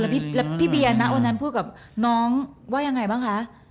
แล้วพี่เบียร์นะวันนั้นพูดกับน้องว่ายังไงบ้างคะ